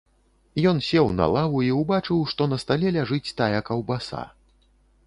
Ён сеў на лаву і ўбачыў, што на стале ляжыць тая каўбаса.